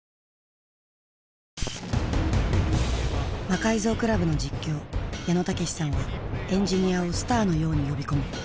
魔改造倶楽部の実況矢野武さんはエンジニアをスターのように呼び込む。